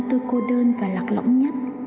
tôi cô đơn và lạc lõng nhất